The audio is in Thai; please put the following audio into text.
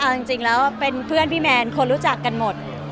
เอาจริงแล้วเป็นเพื่อนพี่แมนคนรู้จักกันหมด